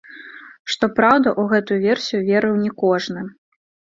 Што праўда, у гэту версію верыў не кожны.